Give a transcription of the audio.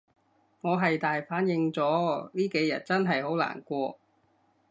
我係大反應咗，呢幾日真係好難過